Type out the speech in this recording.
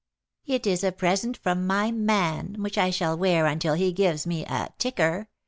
"It is a present from my man, which I shall wear until he gives me a 'ticker.'